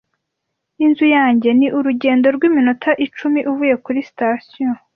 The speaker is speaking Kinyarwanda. Inzu yanjye ni urugendo rw'iminota icumi uvuye kuri sitasiyo.